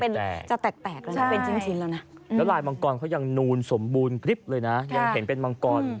น้ำมันต้นเจ็ดอย่างนี้หรอ